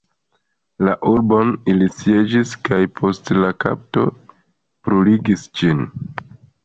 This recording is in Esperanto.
La urbon ili sieĝis kaj, post la kapto, bruligis ĝin.